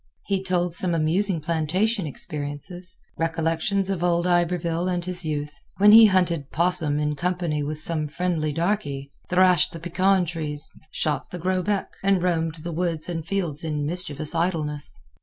He told some amusing plantation experiences, recollections of old Iberville and his youth, when he hunted 'possum in company with some friendly darky; thrashed the pecan trees, shot the grosbec, and roamed the woods and fields in mischievous idleness.